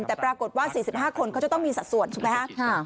แต่ปรากฏว่า๔๕คนเขาจะต้องมีสัดส่วนถูกไหมครับ